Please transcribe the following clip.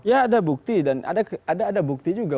ya ada bukti dan ada bukti juga